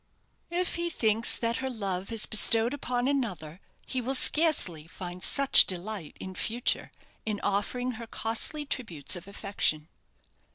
"If he thinks that her love is bestowed upon another, he will scarcely find such delight in future in offering her costly tributes of affection."